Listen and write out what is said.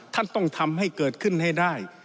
ท่านต้องทำให้เกิดขึ้นให้ได้